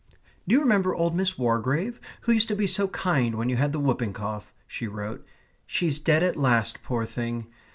"Do you remember old Miss Wargrave, who used to be so kind when you had the whooping cough?" she wrote; "she's dead at last, poor thing.